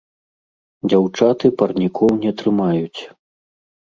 Дзяўчаты парнікоў не трымаюць.